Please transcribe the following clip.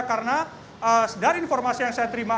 karena dari informasi yang saya terima